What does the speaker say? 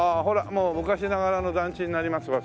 もう昔ながらの団地になりますわ